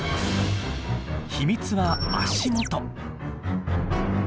秘密は足元。